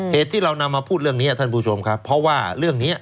เหตุที่เรานำมาพูดเรื่องนี้ท่านผู้ชมครับเพราะว่าเรื่องนี้